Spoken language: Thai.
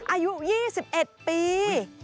อายุยี่สิบเอ็ดปี